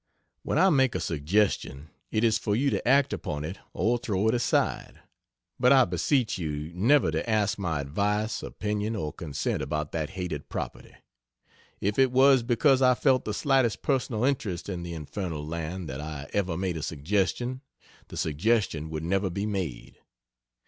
When I make a suggestion it is for you to act upon it or throw it aside, but I beseech you never to ask my advice, opinion or consent about that hated property. If it was because I felt the slightest personal interest in the infernal land that I ever made a suggestion, the suggestion would never be made.